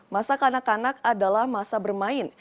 masa kanak kanak adalah masa bermain